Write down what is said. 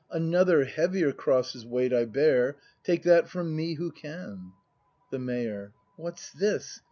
Another, heavier cross's weight I bear; take that from me who can. The Mayor. What's this?